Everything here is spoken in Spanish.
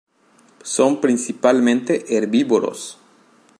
Son principalmente herbívoros.